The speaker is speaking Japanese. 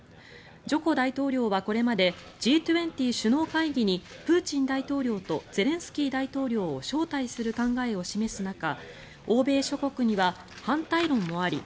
ジョコ大統領はこれまでＧ２０首脳会議にプーチン大統領とゼレンスキー大統領を招待する考えを示す中欧米諸国には反対論もあり